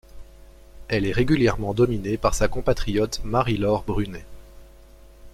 Elle est régulièrement dominée par sa compatriote Marie-Laure Brunet.